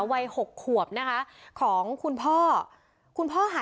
มีความรู้สึกว่ามีความรู้สึกว่า